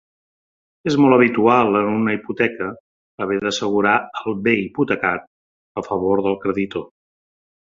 És molt habitual en una hipoteca haver d'assegurar el bé hipotecat a favor del creditor.